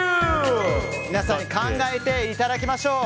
皆さん考えていただきましょう。